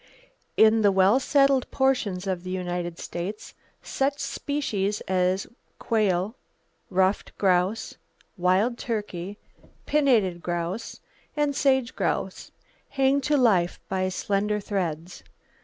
In the well settled portions of the United States, such species as quail, ruffed grouse, wild turkey, pinnated grouse and sage grouse hang [Page 89] to life by slender threads.